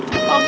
masih jauh nih